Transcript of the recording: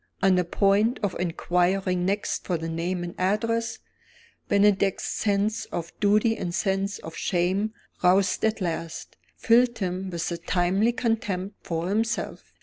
On the point of inquiring next for the name and address, Bennydeck's sense of duty and sense of shame (roused at last) filled him with a timely contempt for himself.